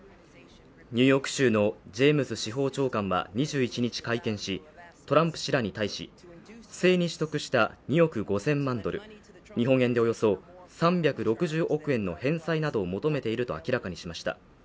ニューヨーク州のジェームズ司法長官は２１日会見し、トランプ氏らに対し不正に取得した２億５０００万ドル日本円でおよそ３６０億円の返済などを求めていると明らかにしました。